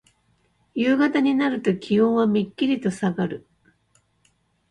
夕方になると気温はめっきりとさがる。